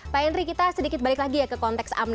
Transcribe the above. pak henry kita sedikit balik lagi ya ke konteks amnes